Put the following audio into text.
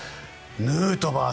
ヌートバー